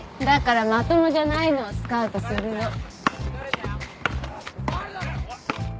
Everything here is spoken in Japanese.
だからまともじゃないのをスカウトするの。